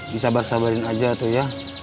disabar sabarin aja tuh ya